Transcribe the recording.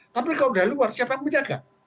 tapi kalau dari luar siapa yang menjaga